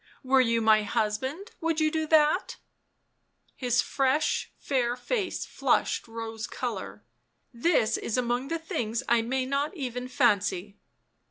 " Were you my husband would you do that ?" His fresh fair face flushed rose colour. " This is among the things I may not even fancy."